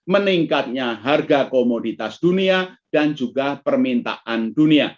meningkatnya harga komoditas dunia dan juga permintaan dunia